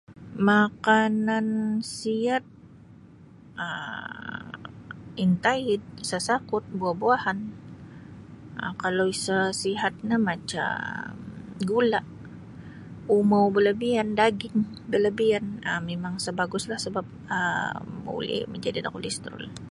Makanan siat um intaid sasakut buah-buahan um kalau isa sihat no macam gula umou balabian daging balabian um mimang isa baguslah sabab um buli majadi da kolestrol.